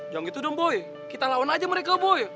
jangan gitu dong boy kita lawan aja mereka boy